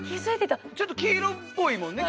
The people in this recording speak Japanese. ちょっと黄色っぽいもんね。